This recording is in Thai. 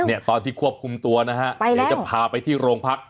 เนี่ยตอนที่ควบคุมตัวนะฮะเดี๋ยวจะพาไปที่โรงพัก